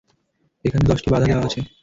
এখানে দশটি বাধা দেওয়া আছে।